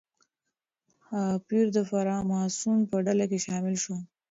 پییر د فراماسون په ډله کې شامل شو.